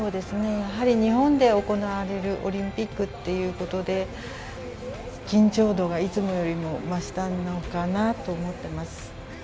やはり日本で行われるオリンピックということで緊張度がいつもよりも増したのかなというふうに思っています。